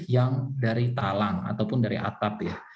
yang dari talang ataupun dari atap ya